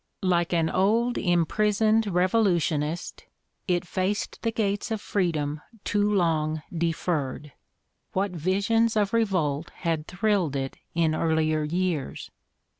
Like an old imprisoned revolutionist it faced the gates of a freedom too long deferred. What visions of revolt had thrilled it in earlier years